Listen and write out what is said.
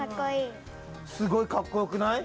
すごいかっこよくない？